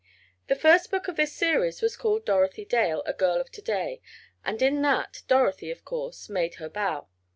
The first book of this series was called "Dorothy Dale; A Girl of To Day," and in that, Dorothy, of course, made her bow.